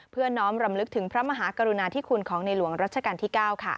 น้อมรำลึกถึงพระมหากรุณาธิคุณของในหลวงรัชกาลที่๙